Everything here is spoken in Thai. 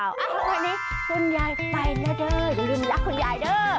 วันนี้คุณยายไปแล้วเด้ออย่าลืมรักคุณยายเด้อ